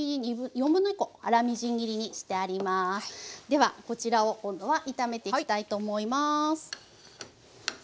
ではこちらを今度は炒めていきたいと思います。